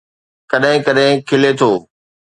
ڪڏهن ڪڏهن کلي ٿو